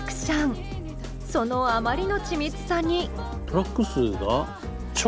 そのあまりの緻密さに。